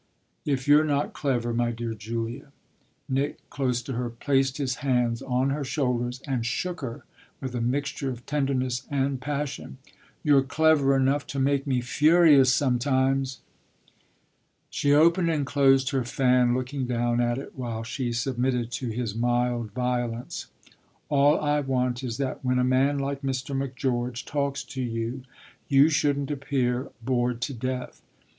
"If you're not clever, my dear Julia ?" Nick, close to her, placed his hands on her shoulders and shook her with a mixture of tenderness and passion. "You're clever enough to make me furious, sometimes!" She opened and closed her fan looking down at it while she submitted to his mild violence. "All I want is that when a man like Mr. Macgeorge talks to you you shouldn't appear bored to death.